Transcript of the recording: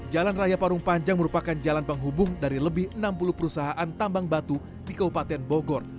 jalan raya parung panjang merupakan jalan penghubung dari lebih enam puluh perusahaan tambang batu di kabupaten bogor